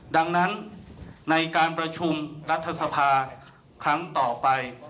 ดังนั้นในการประชุมรัฐสภาครั้งต่อไป